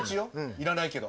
要らないけど。